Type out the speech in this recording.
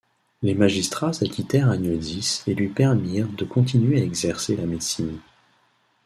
Les magistrats acquittèrent Agnodice et lui permirent de continuer à exercer la médecine.